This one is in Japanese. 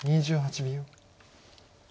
２８秒。